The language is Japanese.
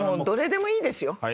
どれでもいいですよ。